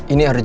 ini dia keras